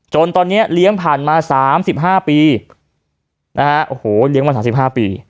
จนตอนเนี้ยเลี้ยงผ่านมาสามสิบห้าปีนะฮะโอ้โหเลี้ยงมาสามสิบห้าปี